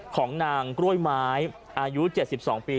ของนางกล้วยไม้อายุ๗๒ปี